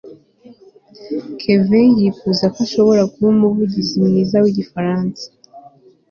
kevin yifuza ko ashobora kuba umuvugizi mwiza wigifaransa